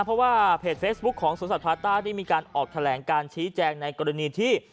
เพราะว่าเพจเฟซบุ๊คของสวนสัตว์พาต้าได้มีการออกแถลงการชี้แจงในกรณีที่